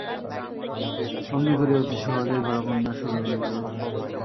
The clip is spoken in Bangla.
এমনি করিয়া অতি সহজেই ঘরকন্না শুরু হইল।